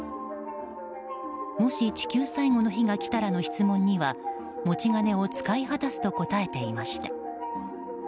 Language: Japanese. もし地球最後の日が来たらの質問には持ち金を使い果たすと答えていました。